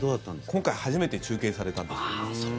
今回初めて中継されたんです。